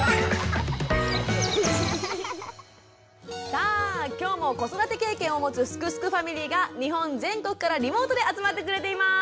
さあ今日も子育て経験を持つ「すくすくファミリー」が日本全国からリモートで集まってくれています。